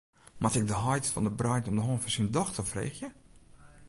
Moat ik de heit fan de breid om de hân fan syn dochter freegje?